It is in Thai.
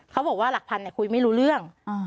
เขาบอกว่าหลักพันคุยไม่รู้เรื่อง